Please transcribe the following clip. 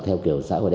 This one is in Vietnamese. theo kiểu xã hội đen